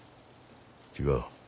違う。